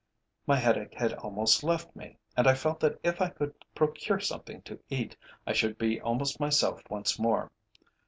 My headache had almost left me, and I felt that if I could procure something to eat I should be almost myself once more.